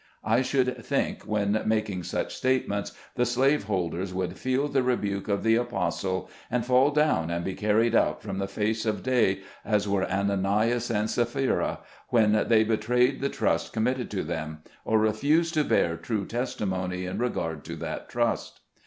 I should think, when making such statements, the slave holders would feel the rebuke of the Apostle, and fall down and be carried out from the face of day, as were Ananias and Sapphira, when they betrayed the trust committed to them, or refused to bear true testimony in regard to that trust.